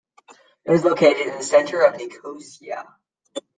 It is located in the centre of Nicosia.